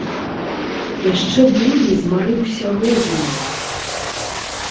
Яшчэ болей змарыўся розумам.